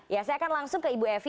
ya saya akan langsung ke ibu evi